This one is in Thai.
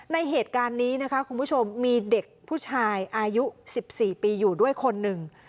ในเหตุการณ์นี้นะคะคุณผู้ชมมีเด็กผู้ชายอายุ๑๔ปีอยู่ด้วยคนหนึ่ง